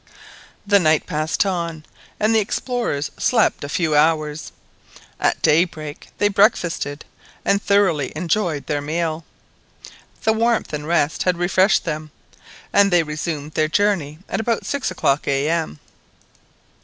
The night passed on, and the explorers slept a few hours. At daybreak they breakfasted, and thoroughly enjoyed their meal. The warmth and rest had refreshed them, and they resumed their journey at about six o'clock A.M.